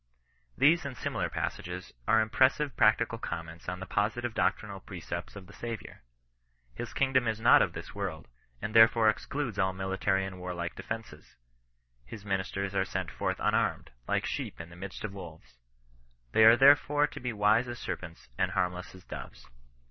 These and similar passages are impressive practical comments on the positive doctrinal precepts of the Sa viour. His kingdom is not of this world, and therefore excludes all military and warlike defences. His minis ters are sent forth unarmed, like sheep in the midst of wolves. They are therefore to be wise as serpents, and harmless as doves.